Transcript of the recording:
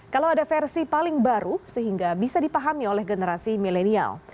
kalau ada versi paling baru sehingga bisa dipahami oleh generasi milenial